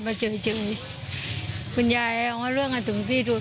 มาเจอจึงคุณยายเอาเรื่องกันถึงที่สุด